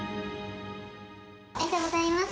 ありがとうございます。